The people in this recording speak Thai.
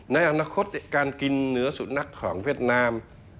ในอนาคตการกินเหนือสุดนักของเวียดนาม